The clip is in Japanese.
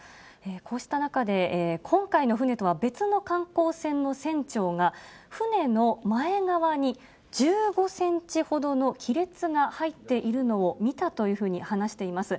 こうした中で、今回の船とは別の観光船の船長が、船の前側に１５センチほどの亀裂が入っているのを見たというふうに話しています。